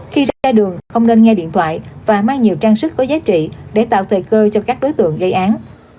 khi ra đường không nên nghe điện thoại và mang nhiều trang sức có giá trị để tạo thời cơ cho các đối tượng gây án